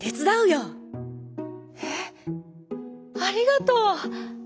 「えっ！ありがとう。